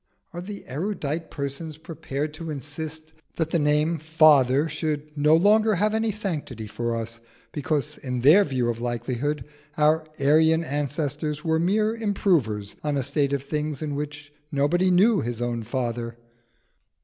Are these erudite persons prepared to insist that the name "Father" should no longer have any sanctity for us, because in their view of likelihood our Aryan ancestors were mere improvers on a state of things in which nobody knew his own father?